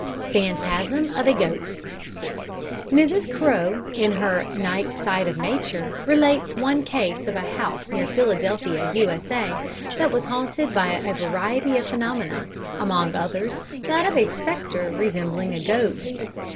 Phantasm of a Goat Mrs. Crowe, in her Night Side of Nature, relates one case of a house near Philadelphia, U.S.A., that was haunted by a variety of phenomena, among others that of a spectre resembling a goat.